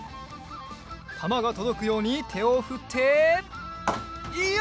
たまがとどくようにてをふってよし！